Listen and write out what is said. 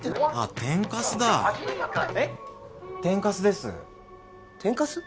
天かすです天かす？